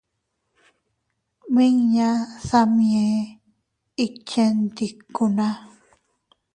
Miña Samyen ikchendikuna.